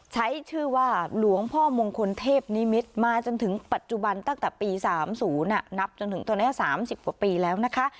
ใช้ชื่อว่าหลวงพ่อมงคลเทพนิมิตรมาจนถึงปัจจุบันตั้งแต่ปี๓๐นับจนถึงตอนนี้๓๐กว่าปีแล้วนะคะ